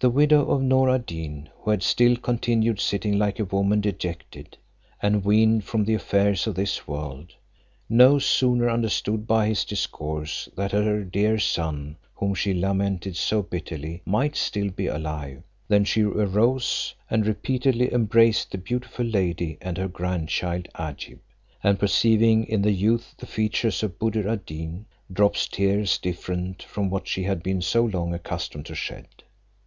The widow of Noor ad Deen, who had still continued sitting like a woman dejected, and weaned from the affairs of this world, no sooner understood by his discourse that her dear son, whom she lamented so bitterly, might still be alive, than she arose, and repeatedly embraced the beautiful lady and her grandchild Agib; and perceiving in the youth the features of Buddir ad Deen, drops tears different from what she had been so long accustomed to shed.